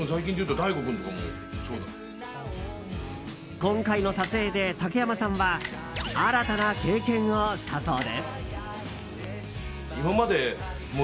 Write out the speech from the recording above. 今回の撮影で竹山さんは新たな経験をしたそうで。